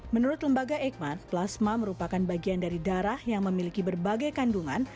menurut lembaga eikman plasma merupakan bagian dari darah yang memiliki berbagai kandungan